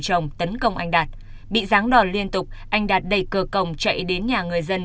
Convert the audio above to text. trong khi tấn công anh đạt bị ráng đòn liên tục anh đạt đẩy cờ cổng chạy đến nhà người dân